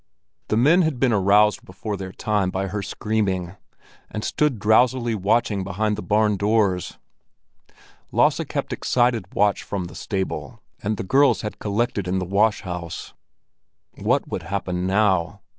The men had been aroused before their time by her screaming, and stood drowsily watching behind the barn doors. Lasse kept excited watch from the stable, and the girls had collected in the wash house. What would happen now?